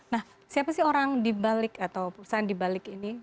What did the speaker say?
nah siapa sih orang dibalik atau perusahaan dibalik ini